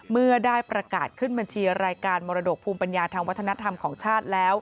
เมื่อได้ประกาศขึ้นบัญชี